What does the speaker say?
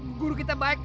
memang guru kita baik